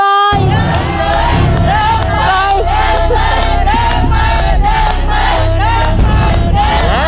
เรียกใหม่เรียกใหม่เรียกใหม่เรียกใหม่